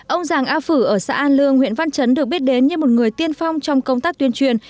ông giàng a phử ở xã an lương huyện văn chấn được biết đến như một người tiên phong trong công tác tuyên truyền